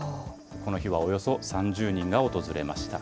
この日はおよそ３０人が訪れました。